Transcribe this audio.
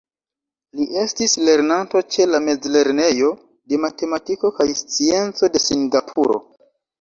Li estis lernanto ĉe la Mezlernejo de Matematiko kaj Scienco de Singapuro.